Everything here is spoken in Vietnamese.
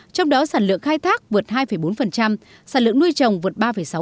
trong đó sản lượng khai thác vượt hai bốn sản lượng nuôi trồng vượt ba sáu